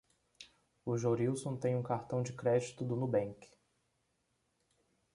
O Jorilson tem um cartão de crédito do Nubank.